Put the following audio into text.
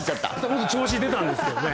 もっと調子出たんですけどね。